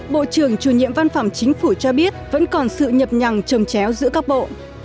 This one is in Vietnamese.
bộ trưởng chủ nhiệm văn phòng chính phủ cho biết vẫn còn sự nhập nhằng trầm chéo giữa các bộ